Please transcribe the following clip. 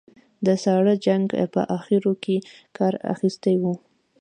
د ساړه جنګ په اخرو کې کار اخیستی و.